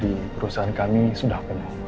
ini di rumah